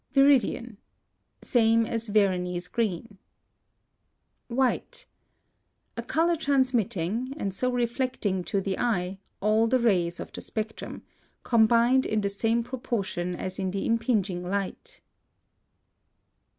VIRIDIAN. Same as Veronese green. WHITE. A color transmitting, and so reflecting to the eye, all the rays of the spectrum, combined in the same proportion as in the impinging light.